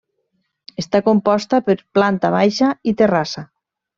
Està composta per planta baixa i terrassa.